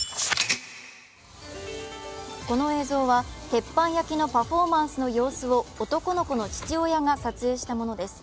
この映像は、鉄板焼きのパフォーマンスの様子を男の子の父親が撮影したものです。